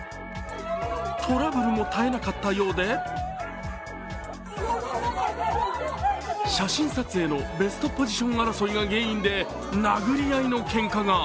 トラブルも絶えなかったようで写真撮影のペストポジション争いが原因で殴り合いのけんかが。